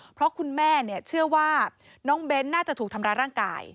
เพราะคุณแม่เชื่อว่าน้องเบ้นน่าจะถูกทำร้ายร่างกาย